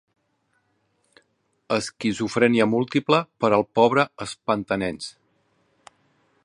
Esquizofrènia múltiple per al pobre espanta-nens.